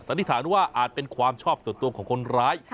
นิษฐานว่าอาจเป็นความชอบส่วนตัวของคนร้าย